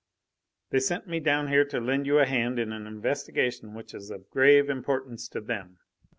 They sent me down here to lend you a hand in an investigation which is of grave importance to them."